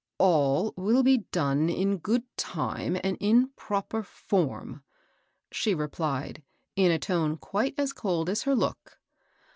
" All will be done in good time and in proper form," she replied, in a tone quite as cold as her look.